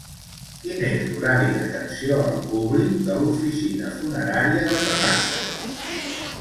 Quin és l'horari d'atenció al públic de l'oficina funerària de Terrassa?